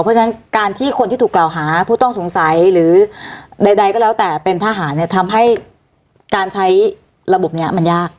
เพราะฉะนั้นการที่คนที่ถูกกล่าวหาผู้ต้องสงสัยหรือใดก็แล้วแต่เป็นทหารเนี่ยทำให้การใช้ระบบนี้มันยาก